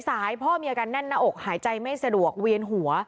พ่อมีอาการแน่นหน้าอกหายใจไม่สะดวกเวียนหัว